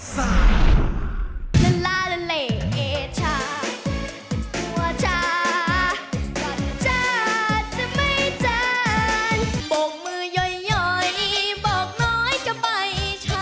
สุดท้าย